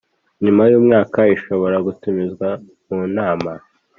nyuma y umwaka Ishobora gutumizwa munama